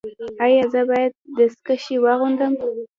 ایا زه باید دستکشې واغوندم؟